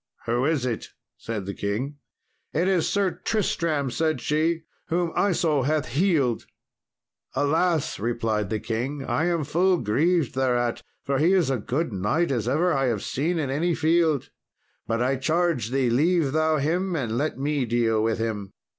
"Who is it?" said the king. "It is Sir Tristram!" said she, "whom Isault hath healed." "Alas!" replied the king, "I am full grieved thereat, for he is a good knight as ever I have seen in any field; but I charge thee leave thou him, and let me deal with him."